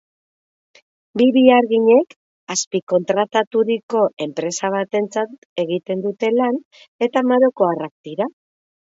Bi beharginek azpikontrataturiko enpresa batentzat egiten dute lan eta marokoarrak dira.